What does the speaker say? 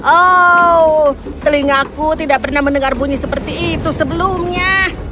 oh telingaku tidak pernah mendengar bunyi seperti itu sebelumnya